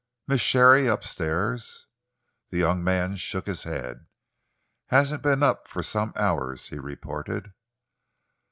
"Miss Sharey up stairs?" The young man shook his head. "Hasn't been up for some hours," he reported.